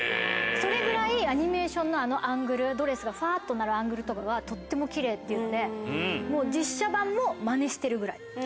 それぐらいアニメーションのあのアングルドレスがフワっとなるアングルとかがとってもキレイっていうので実写版もマネしてるぐらい。